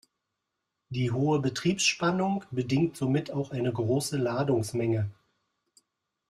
Die hohe Betriebsspannung bedingt somit auch eine große Ladungsmenge.